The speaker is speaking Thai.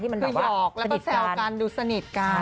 คือหยอกแล้วก็แซวกันดูสนิทกัน